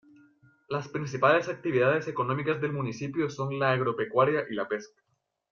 Las principales actividades económicas del municipio son la agropecuaria y la pesca.